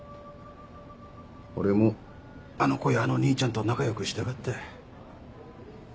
俺もあの子やあの兄ちゃんと仲良くしたかった。